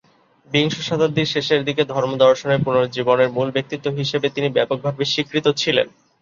বিংশ শতাব্দীর শেষের দিকে ধর্ম দর্শনের পুনরুজ্জীবনের মূল ব্যক্তিত্ব হিসেবে তিনি ব্যাপকভাবে স্বীকৃত ছিলেন।